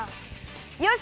よし！